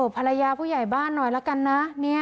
ภรรยาผู้ใหญ่บ้านหน่อยละกันนะ